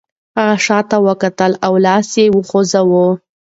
هغې شاته وکتل او لاس یې وخوځاوه.